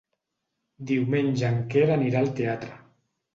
Diumenge en Quer anirà al teatre.